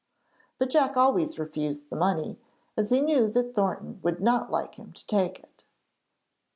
But Jack always refused the money, as he knew that Thornton would not like him to take it.